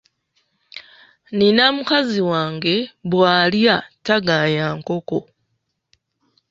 Nina mukazi wange bw'alya tagaaya nkoko.